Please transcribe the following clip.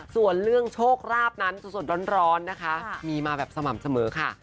ส่วนเรื่องโชคราบนั้นสดร้อนนะคะมีมาแบบสม่ำเสมอค่ะ